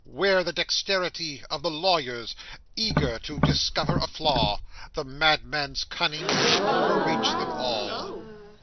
Where the dexterity of the lawyers, eager to discover a flaw? The madman's cunning had overreached them all.